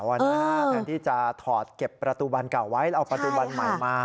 แทนที่จะถอดเก็บประตูบันเก่าไว้แล้วเอาประตูบันใหม่มา